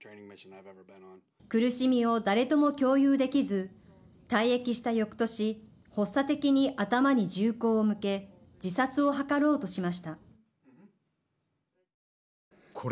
苦しみを誰とも共有できず退役したよくとし発作的に頭に銃口を向け自殺を図ろうとしました。